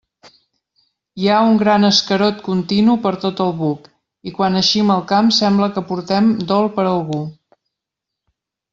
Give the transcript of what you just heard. Hi ha un gran escarot continu per tot el buc i quan eixim al camp sembla que portem dol per algú.